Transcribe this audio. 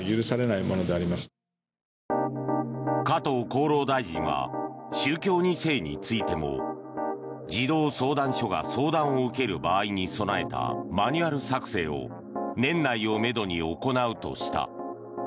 加藤厚労大臣は宗教２世についても児童相談所が相談を受ける場合に備えたマニュアル作成を年内をめどに行うとした。